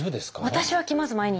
私は来ます毎日。